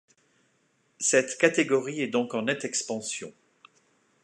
Cette catégorie est donc en nette expansion.